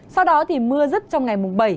sau đó thì mưa dứt trong ngày mùng bảy